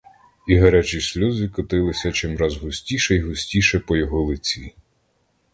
І гарячі сльози котилися чимраз густіше й густіше по його лиці.